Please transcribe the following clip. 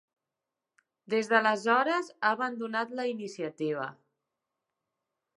Des d'aleshores ha abandonat la iniciativa.